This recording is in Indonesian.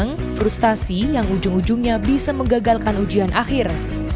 yang frustasi yang ujung ujungnya bisa menggagalkan ujian akhir